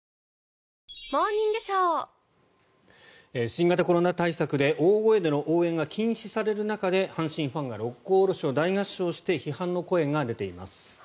新型コロナ対策で大声での応援が禁止される中で阪神ファンが「六甲おろし」を大合唱して批判の声が出ています。